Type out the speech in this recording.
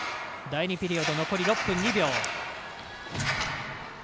第２ピリオド、残り６分２秒。